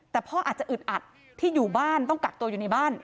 แต่พ่ออาจจะอึดอัดที่อยู่บ้านต้องกักตัวอยู่ในบ้าน